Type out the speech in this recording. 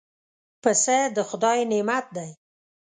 پسه د خدای نعمت دی.